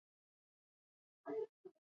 انګور د افغان کورنیو د دودونو مهم عنصر دی.